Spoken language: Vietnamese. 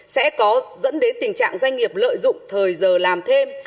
sẽ có dẫn đến tình trạng doanh nghiệp lợi dụng thời giờ làm thêm